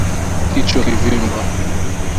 Kichwa kuvimba